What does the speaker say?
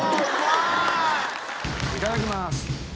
いただきます！